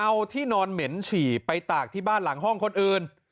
เอาที่นอนเหม็นฉี่ไปตากที่บ้านหลังห้องคนอื่น